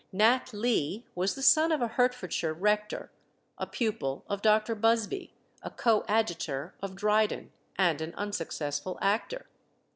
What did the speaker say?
Nat Lee was the son of a Hertfordshire rector; a pupil of Dr. Busby, a coadjutor of Dryden, and an unsuccessful actor.